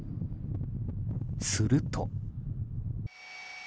すると。